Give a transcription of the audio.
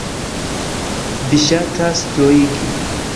Vi ŝatas troigi!